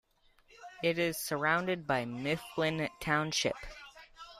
It is surrounded by Mifflin Township.